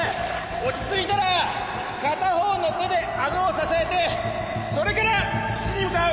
落ち着いたら片方の手で顎を支えてそれから岸に向かう。